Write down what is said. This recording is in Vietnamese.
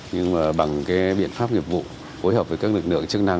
nhưng mà bằng cái biện pháp nghiệp vụ phối hợp với các lực lượng chức năng